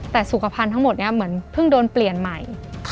แต่สุขภัณฑ์ทั้งหมดนี้เหมือนเพิ่งโดนเปลี่ยนใหม่